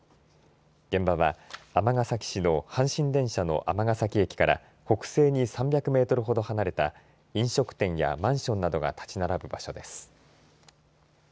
現場は、尼崎市の阪神電車の尼崎駅から北西に３００メートルほど離れた飲食店やマンションなどが建ち並ぶ場所です。